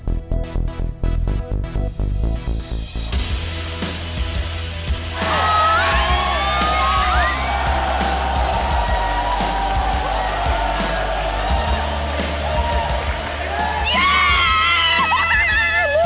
pert ambiguousowana benar benar sangat bagus